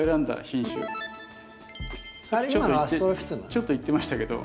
ちょっと言ってましたけど。